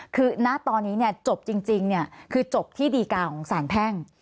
คือณตอนนี้จบจริงคือจบที่ดีการของสารแพ่ง